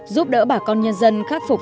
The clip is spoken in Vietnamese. giúp đỡ bà con nhân dân khắc phục